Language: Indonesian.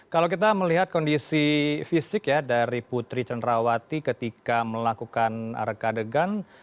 kalau kita melihat kondisi fisik ya dari putri cenrawati ketika melakukan rekadegan